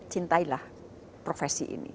cintailah profesi ini